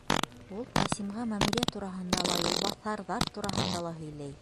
Ул Ҡасимға мәмерйә тураһында ла, юлбаҫарҙар тураһында ла һөйләй.